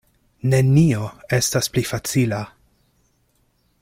Nenio estas pli facila.